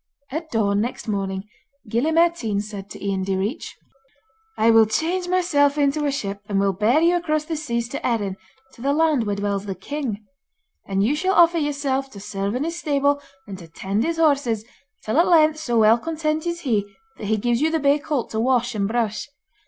At dawn next morning Gille Mairtean said to Ian Direach: 'I will change myself into a ship, and will bear you across the seas to Erin, to the land where dwells the king. And you shall offer yourself to serve in his stable, and to tend his horses, till at length so well content is he, that he gives you the bay colt to wash and brush.